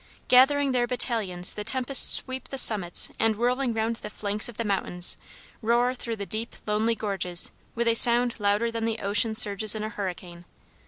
Gathering their battalions the tempests sweep the summits and whirling round the flanks of the mountains, roar through the deep, lonely gorges with a sound louder than the ocean surges in a hurricane.